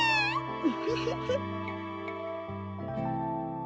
ウフフフ。